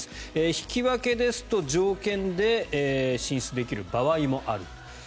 引き分けですと条件で進出できる場合もある。